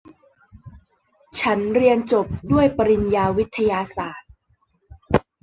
ฉันเรียนจบด้วยปริญญาวิทยาศาสตร์